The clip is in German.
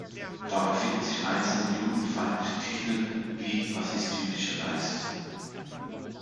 Dabei finden sich einzelne judenfeindliche Titel wie "Was ist jüdischer Geist?